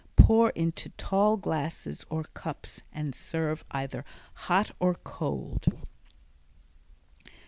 Pour into tall glasses or cups and serve either hot or cold.